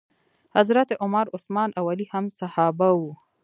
حضرت عمر، عثمان او علی هم صحابه وو.